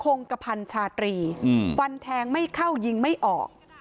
งกระพันชาตรีฟันแทงไม่เข้ายิงไม่ออก